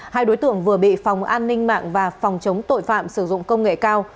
hai đối tượng vừa bị phòng an ninh mạng và phòng chống tội phạm sử dụng công nghệ cao